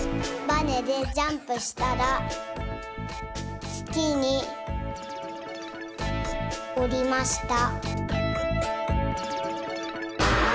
バネでジャンプしたらつきにおりました。